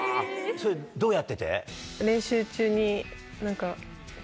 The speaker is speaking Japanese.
それどうやってて？